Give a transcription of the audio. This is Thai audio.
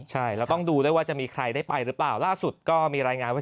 ใช่แล้วต้องดูด้วยว่าจะมีใครได้ไปหรือเปล่าล่าสุดก็มีรายงานว่า